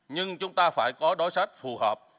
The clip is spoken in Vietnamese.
nhưng chúng ta phải có đối sách phù hợp